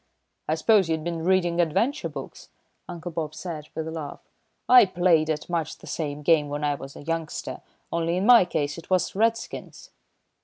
"I suppose you'd been reading adventure books," Uncle Bob said, with a laugh. "I played at much the same game when I was a youngster, only in my case it was Redskins."